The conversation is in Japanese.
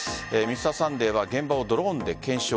「Ｍｒ．サンデー」は現場をドローンで検証。